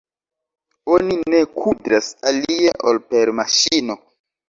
Oni ne kudras alie ol per maŝino.